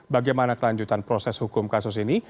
bagaimana kelanjutan proses hukum kasus ini